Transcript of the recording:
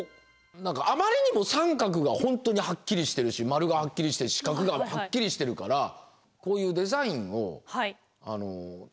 何かあまりにも三角が本当にはっきりしてるし丸がはっきりして四角がくっきりしてるからこういうデザインをあの楽しんだ。